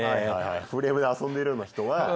フレームで遊んでいるような人は。